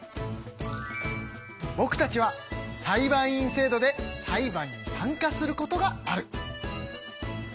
ぼくたちは裁判員制度で裁判に参加することがある。